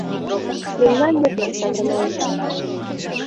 Мемнан йырна савырналеш.